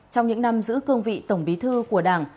trong những năm giữ cương vị tổng bí thư của đảng